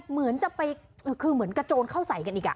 เหมือนจะไปคือเหมือนกระโจนเข้าใส่กันอีก